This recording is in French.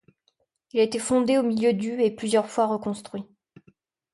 Il a été fondé au milieu du et plusieurs fois reconstruit.